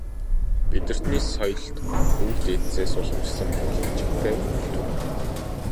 Бидэртний соёлт өвөг дээдсээс уламжилсан монгол бичигтэй түмэн.